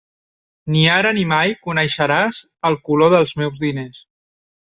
Ni ara ni mai coneixeràs el color dels meus diners.